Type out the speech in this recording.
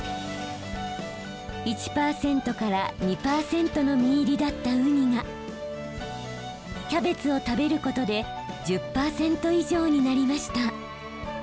１％から２％の身入りだったウニがキャベツを食べることで１０％以上になりました。